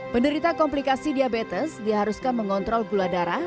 penderita komplikasi diabetes diharuskan mengontrol gula darah